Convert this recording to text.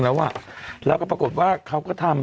แล้วก็ปรากฏว่าเขาก็ทำ